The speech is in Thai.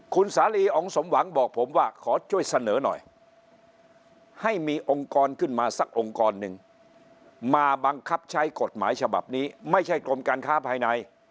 คุณสาลีองค์สมหวังบอกผมว่าขอช่วยเสนอหน่อยให้มีองค์กรขึ้นมาสักองค์กรหนึ่งมาบังคับใช้กฎหมายฉบับนี้ไม่ใช่กรมการค้าภายใน